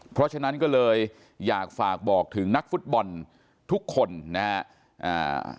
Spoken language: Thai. เพราะฉะนั้นก็เลยอยากฝากบอกถึงนักฟุตบอลทุกคนนะครับ